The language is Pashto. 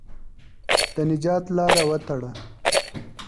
د نجات لاره وتړه.